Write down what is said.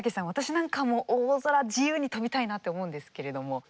私なんかも大空自由に飛びたいなって思うんですけれども。